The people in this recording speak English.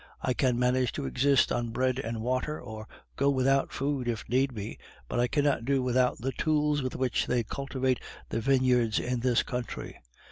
I can manage to exist on bread and water, or go without food, if need be, but I cannot do without the tools with which they cultivate the vineyards in this country.